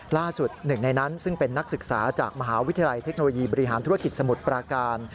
ล่าสุดหนึ่งในนั้นซึ่งเป็นนักศึกษาจากมหาวิทยาลัยเทคโนโลยีบริหารธุรกิจสมุทรปราการ